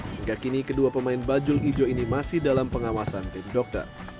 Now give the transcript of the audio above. hingga kini kedua pemain bajul ijo ini masih dalam pengawasan tim dokter